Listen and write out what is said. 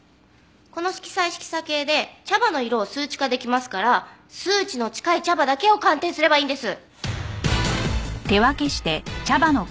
この色彩色差計で茶葉の色を数値化できますから数値の近い茶葉だけを鑑定すればいいんです。